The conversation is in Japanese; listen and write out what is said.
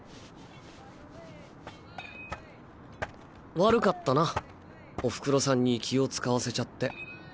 悪かったなお袋さんに気を遣わせちゃって。